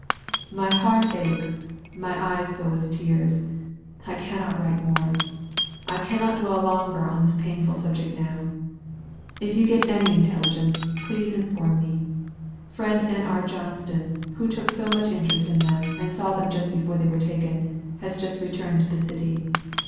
My heart aches, my eyes fill with tears, I cannot write more. I cannot dwell longer on this painful subject now. If you get any intelligence, please inform me. Friend N.R. Johnston, who took so much interest in them, and saw them just before they were taken, has just returned to the city.